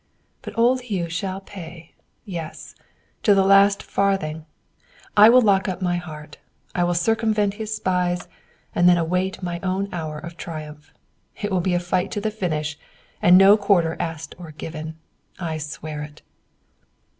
But old Hugh shall pay; yes, to the last farthing. I will lock up my heart. I will circumvent his spies, and then await my own hour of triumph. It will be a fight to the finish and no quarter asked or given. I swear it!"